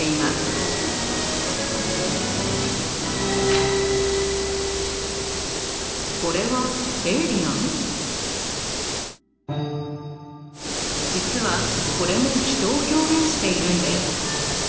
実はこれも人を表現しているんです。